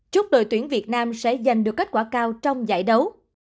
chúc đội tuyển việt nam sẽ giành được kết quả cao trong giải đấu